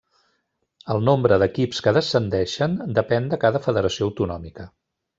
El nombre d'equips que descendeixen depèn de cada federació autonòmica.